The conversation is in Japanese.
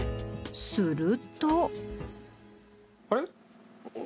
すると。